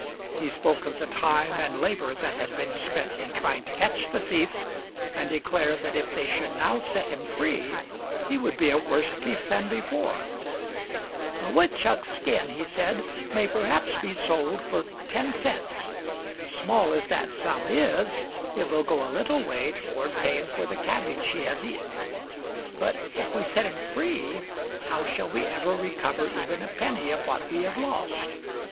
He spoke of the time and labor that had been spent in trying to catch the thief, and declared that if they should now set him free he would be a worse thief than before. " A woodchuck's skin," he said, " may perhaps be sold for ten cents. Small as that sum is, it will go a little way toward paying for the cabbage he has eaten. But, if we set him free, how shall we ever recover even a penny of what we have lost